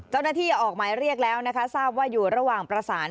เจ้าหน้าที่ออกหมายเรียกแล้วนะคะทราบว่าอยู่ระหว่างประสาน